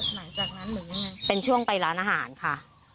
หลังจากนั้นหรือยังไงเป็นช่วงไปร้านอาหารค่ะ